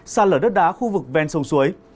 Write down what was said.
xa lở đất đá khu vực ven sông suối